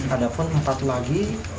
ada pun empat lagi